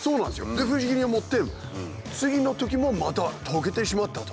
で不思議に思って次のときもまた溶けてしまったと。